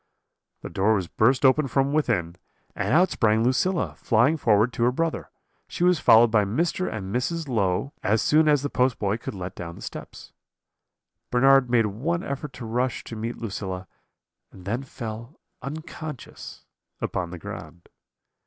The door was burst open from within, and out sprang Lucilla, flying forward to her brother. She was followed by Mr. and Mrs. Low, as soon as the postboy could let down the steps. "Bernard made one effort to rush to meet Lucilla, and then fell unconscious upon the ground.